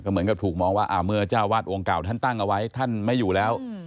เหมือนกับถูกมองว่าเมื่อเจ้าวาดองค์เก่าท่านตั้งเอาไว้ท่านไม่อยู่แล้ว